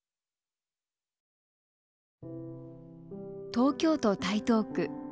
東京都台東区。